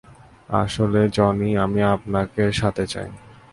আসলে, জনি, আমি আপনাকে সাথে চাই।